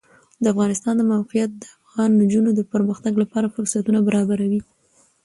د افغانستان د موقعیت د افغان نجونو د پرمختګ لپاره فرصتونه برابروي.